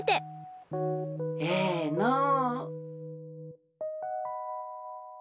ええのう。